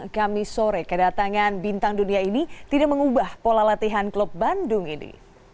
kami sore kedatangan bintang dunia ini tidak mengubah pola latihan klub bandung ini